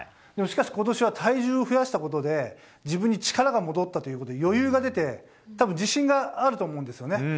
しかし今年は体重を増やしたことで自分に力が戻って余裕が出て自信があると思うんですよね。